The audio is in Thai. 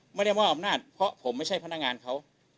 ไม่ได้มอบอำนาจเพราะผมไม่ใช่พนักงานเขา